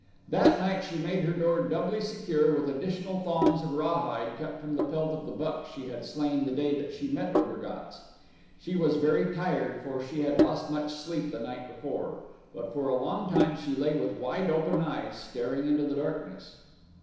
That night she made her door doubly secure with additional thongs of rawhide cut from the pelt of the buck she had slain the day that she met Obergatz. She was very tired for she had lost much sleep the night before; but for a long time she lay with wide open eyes staring into the darkness.